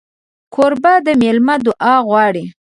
کوربه د مېلمه دعا غواړي.